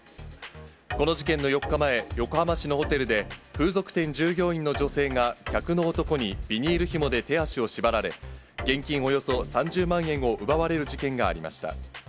この事件の４日前、横浜市のホテルで、風俗店従業員の女性が客の男にビニールひもで手足を縛られ、現金およそ３０万円を奪われる事件がありました。